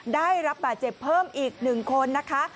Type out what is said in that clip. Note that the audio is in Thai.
ได้รับบาดเจ็บเพิ่มอีก๑คนนะคะ